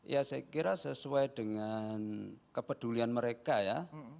ya saya kira sesuai dengan kepedulian mereka ya